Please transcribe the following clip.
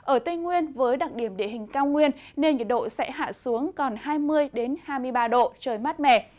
ở tây nguyên với đặc điểm địa hình cao nguyên nên nhiệt độ sẽ hạ xuống còn hai mươi hai mươi ba độ trời mát mẻ